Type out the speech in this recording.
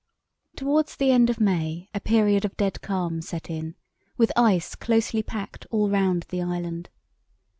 Towards the end of May a period of dead calm set in, with ice closely packed all round the island.